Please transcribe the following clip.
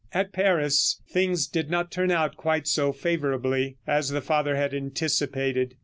At Paris things did not turn out quite so favorably as the father had anticipated.